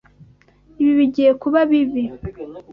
Ibi bigiye kuba bibi.